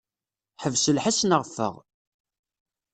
Ḥbes lḥess neɣ ffeɣ.